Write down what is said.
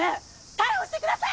逮捕してください！